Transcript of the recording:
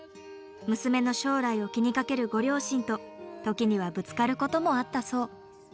娘の将来を気にかけるご両親と時にはぶつかることもあったそう。